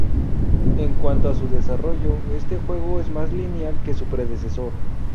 En cuanto a su desarrollo, este juego es más lineal que su predecesor.